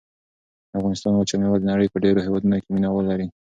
د افغانستان وچه مېوه د نړۍ په ډېرو هېوادونو کې مینه وال لري.